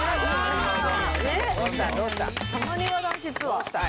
どうした？